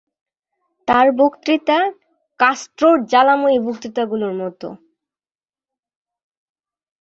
তার বক্তৃতা কাস্ট্রোর জ্বালাময়ী বক্তৃতাগুলোর মতো।